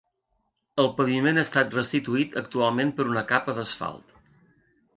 El paviment ha estat restituït actualment per una capa d'asfalt.